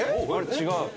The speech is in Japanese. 違う。